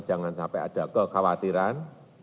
jangan sampai ada kekhawatiran